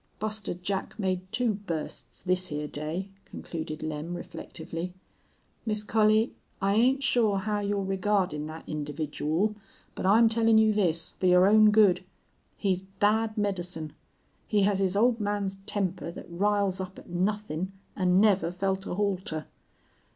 "Buster Jack made two bursts this hyar day," concluded Lem, reflectively. "Miss Collie, I ain't shore how you're regardin' thet individool, but I'm tellin' you this, fer your own good. He's bad medicine. He has his old man's temper thet riles up at nuthin' an' never felt a halter.